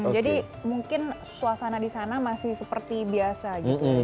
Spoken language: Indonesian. jadi mungkin suasana di sana masih seperti biasa gitu